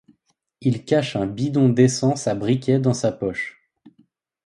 Il cache un bidon d'essence à briquet dans sa poche.